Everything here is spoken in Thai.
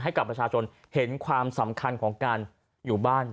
ให้กับประชาชนเห็นความสำคัญของการอยู่บ้าน